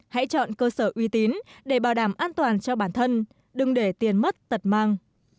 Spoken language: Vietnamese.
hãy chọn cơ sở uy tín để bảo đảm an toàn cho bản thân đừng để tiền mất tật mang